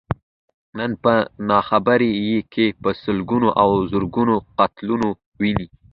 نن په ناخبرۍ کې په سلګونو او زرګونو قتلونه ويني.